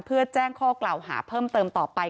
เพื่อแจ้งข้อกล่าวหาเพิ่มเติมต่อไป